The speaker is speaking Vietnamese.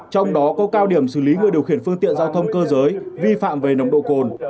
trong đó có cao điểm xử lý người điều khiển phương tiện giao thông cơ giới vi phạm về nồng độ cồn